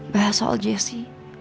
bahas soal jessy